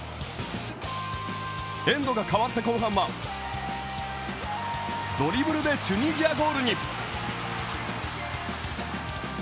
エンドが変わった後半はドリブルでチュニジアゴールに。